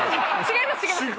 違います